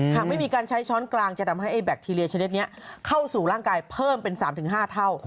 หากไม่มีการใช้ช้อนกลางจะทำให้ไอแบคทีเรียชนิดนี้เข้าสู่ร่างกายเพิ่มเป็น๓๕เท่า